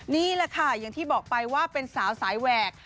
นี่แหละค่ะอย่างที่บอกไปว่าเป็นสาวสายแหวก